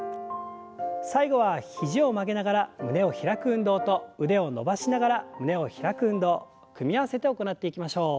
最後は肘を曲げながら胸を開く運動と腕を伸ばしながら胸を開く運動組み合わせて行っていきましょう。